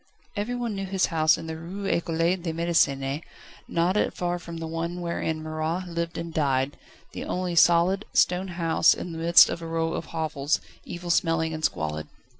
Everyone knew his house in the Rue Ecole de Médecine, not far from the one wherein Marat lived and died, the only solid, stone house in the midst of a row of hovels, evil smelling and squalid.